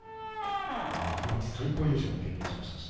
幕内最高優勝も経験しました。